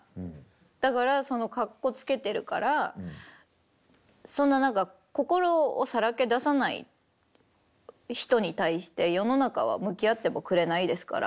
だからかっこつけてるからそんな何か心をさらけ出さない人に対して世の中は向き合ってもくれないですから。